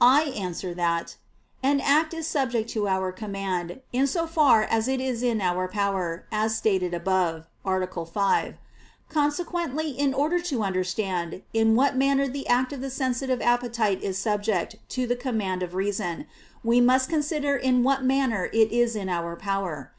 I answer that, An act is subject to our command, in so far as it is in our power, as stated above (A. 5). Consequently in order to understand in what manner the act of the sensitive appetite is subject to the command of reason, we must consider in what manner it is in our power.